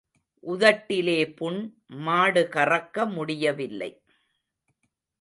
உதட்டிலே புண், மாடு கறக்க முடியவில்லை.